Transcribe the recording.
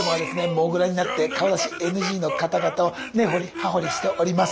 モグラになって顔出しＮＧの方々をねほりはほりしております